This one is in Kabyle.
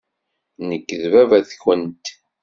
Nekk d baba-tkent.